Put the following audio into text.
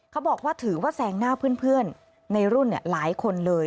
เขาบอกว่าถือว่าแซงหน้าเพื่อนในรุ่นหลายคนเลย